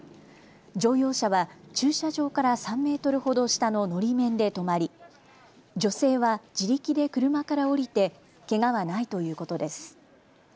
乗用車は駐車場から３メートルほど下ののり面で止まり女性は自力で車から降りてけがはないということです。